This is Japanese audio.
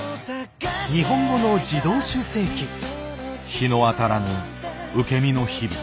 日の当たらぬ受け身の日々。